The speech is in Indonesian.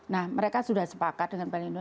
nah mereka sudah sepakat dengan pl indo